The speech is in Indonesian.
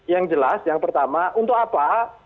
yang jelas yang pertama untuk apa